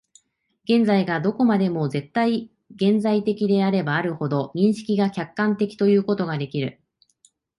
現在がどこまでも絶対現在的であればあるほど、認識が客観的ということができる。